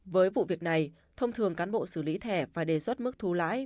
với vụ việc này thông thường cán bộ xử lý thẻ phải đề xuất mức thu lãi